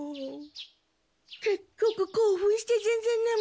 けっきょくこうふんしてぜんぜんねむれなかった。